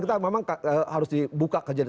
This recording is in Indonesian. kita memang harus dibuka kejadian